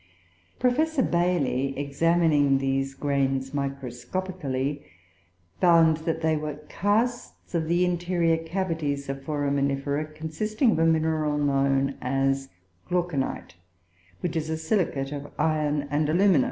Professor Bailey, examining these grains microscopically, found that they were casts of the interior cavities of Foraminifera, consisting of a mineral known as Glauconite, which is a silicate of iron and alumina.